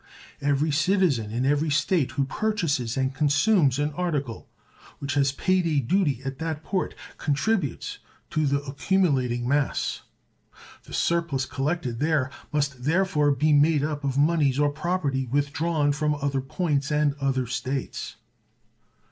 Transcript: Every citizen in every State who purchases and consumes an article which has paid a duty at that port contributes to the accumulating mass. The surplus collected there must therefore be made up of moneys or property withdrawn from other points and other States.